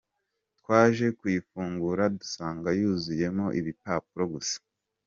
Twaje kuyifungura dusanga yuzuyemo ibipapuro gusa.